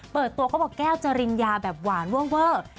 เปิดตัวเขาบอกแก้วจะลินยาแบบหวานเวิ่งเวิ่ง